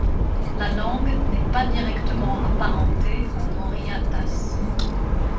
La langue n'est pas directement apparentée au mori atas.